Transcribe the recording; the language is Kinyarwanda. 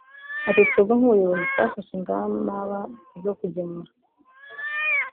Ati” Twebwe nk’ubuyobozi twafashe ingamaba zo gukemura ibibazo